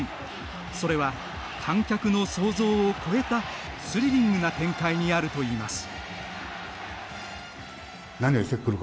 それは観客の想像を超えたスリリングな展開にあるといいます。